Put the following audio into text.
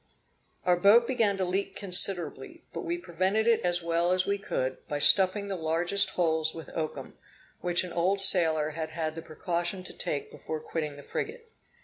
Our boat began to leak considerably, but we prevented it as well as we could, by stuffing the largest holes with oakum, which an old sailor had had the precaution to take before quitting the frigate.